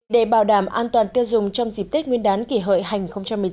để bảo đảm an toàn tiêu dùng trong dịp tết nguyên đán kỷ hợi hành một mươi chín